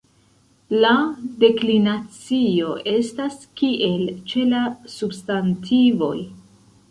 La deklinacio estas kiel ĉe la substantivoj.